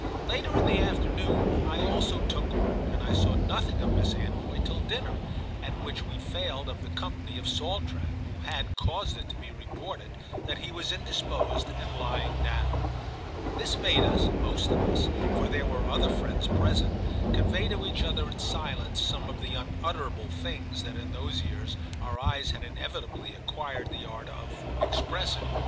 Later in the afternoon I also took one, and I saw nothing of Miss Anvoy till dinner, at which we failed of the company of Saltram, who had caused it to be reported that he was indisposed and lying down. This made us, most of us—for there were other friends present—convey to each other in silence some of the unutterable things that in those years our eyes had inevitably acquired the art of expressing.